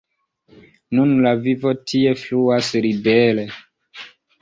Nun la vivo tie fluas libere.